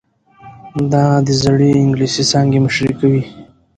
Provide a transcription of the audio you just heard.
دا د زړې انګلیسي څانګې مشري کوي.